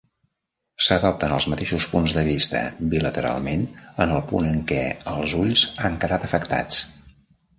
S'adopten els mateixos punts de vista bilateralment en el punt en què els ulls han quedat afectats.